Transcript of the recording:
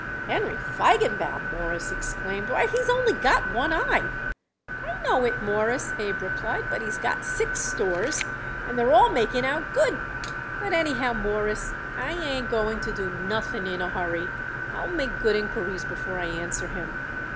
"Henry Feigenbaum!" Morris exclaimed. "Why, he's only got one eye." "I know it, Mawruss," Abe replied, "but he's got six stores, and they're all making out good. But, anyhow, Mawruss, I ain't going to do nothing in a hurry. I'll make good inquiries before I answer him."